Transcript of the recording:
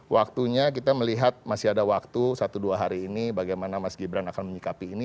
waktunya kita melihat masih ada waktu satu dua hari ini bagaimana mas gibran akan menyikapi ini